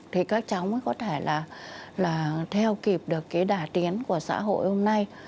thì các cháu mới có thể là theo kịp được cái đà tiến của xã hội hôm nay